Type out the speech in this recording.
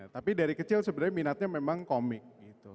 tapi dari kecil sebenarnya minatnya memang komik gitu